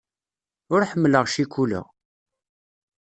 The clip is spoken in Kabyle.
Ur ḥemmleɣ ccikula.